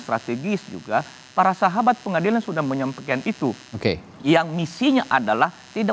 strategis juga para sahabat pengadilan sudah menyampaikan itu oke yang misinya adalah tidak